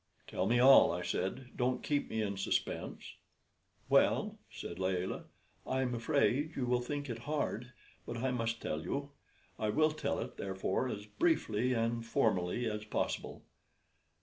"Tell me all," I said; "don't keep me in suspense." "Well," said Layelah, "I'm afraid you will think it hard; but I must tell you. I will tell it, therefore, as briefly and formally as possible.